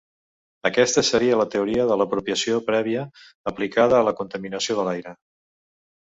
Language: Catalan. Aquesta seria la teoria de l'apropiació prèvia aplicada a la contaminació de l'aire.